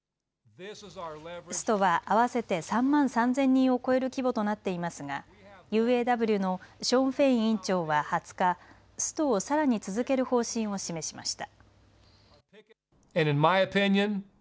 ストは合わせて３万３０００人を超える規模となっていますがＵＡＷのショーン・フェイン委員長は２０日、ストをさらに続ける方針を示しました。